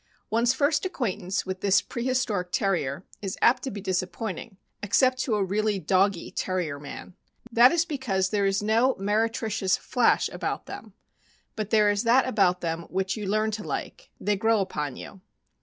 One's first acquaintance with this "prehistoric Terrier" is apt to be dis appointing, except to a really " doggy" Terrier man. That is because there is no meretricious flash about them; but there is that about them which you learn to like — they grow upon you.